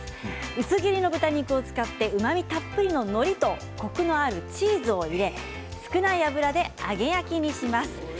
薄切りの豚肉を使ってうまみたっぷりの、のりとコクのあるチーズを入れて少ない油で揚げ焼きにします。